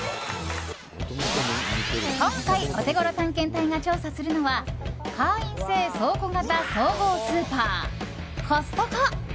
今回、オテゴロ探検隊が調査するのは会員制倉庫型総合スーパーコストコ。